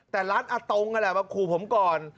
แต่ลัดอัตรงนะแหละมาขูผมก่อน